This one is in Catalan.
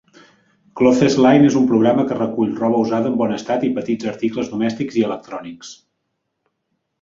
Clothesline és un programa que recull roba usada en bon estat i petits articles domèstics i electrònics.